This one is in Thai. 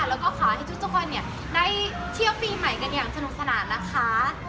แล้วก็ขอให้ทุกคนได้เที่ยวปีใหม่กันอย่างสนุกสนานนะคะ